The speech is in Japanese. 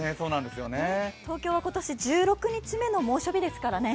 東京は今年１６日目の猛暑日ですからね。